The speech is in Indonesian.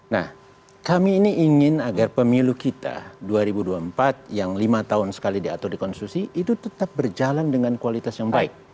nah kami ini ingin agar pemilu kita dua ribu dua puluh empat yang lima tahun sekali diatur di konstitusi itu tetap berjalan dengan kualitas yang baik